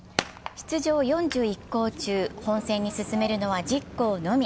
出場４１校中、本選に進めるのは１０校のみ。